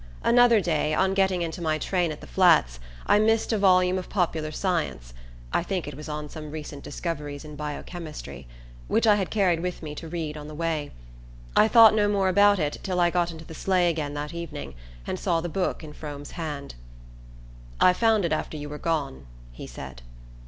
Another day, on getting into my train at the Flats, I missed a volume of popular science I think it was on some recent discoveries in bio chemistry which I had carried with me to read on the way. I thought no more about it till I got into the sleigh again that evening, and saw the book in Frome's hand. "I found it after you were gone," he said.